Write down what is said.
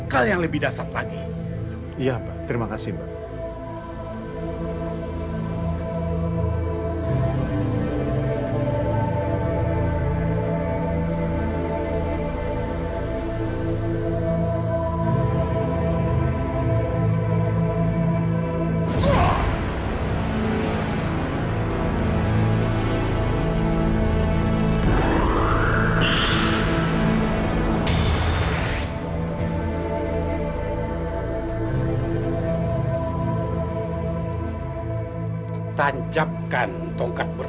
gonggongannya panjang weh